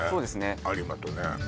有馬とね